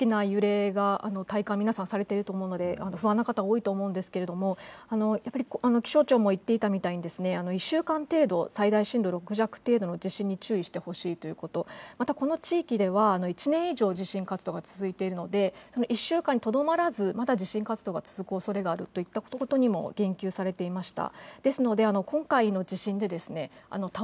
続いたことによる警戒というのがかなり大きな揺れが体感、皆さんされていると思うので、不安な方、多いと思うんですけれども、やっぱり気象庁も言っていたみたいに、１週間程度、最大震度６弱程度の地震に注意してほしいということ、またこの地域では、１年以上、地震活動が続いているので、１週間にとどまらず、まだ地震活動が続くおそれがあるといったことにも言及されていました。